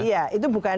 iya itu bukan